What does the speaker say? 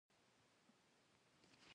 د پښتنو په متلونو کې ډیر حکمت پروت دی.